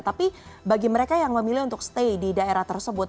tapi bagi mereka yang memilih untuk stay di daerah tersebut